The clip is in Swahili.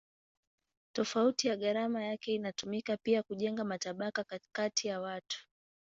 Tofauti ya gharama yake inatumika pia kujenga matabaka kati ya watu.